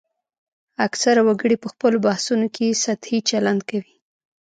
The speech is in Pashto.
اکثره وګړي په خپلو بحثونو کې سطحي چلند کوي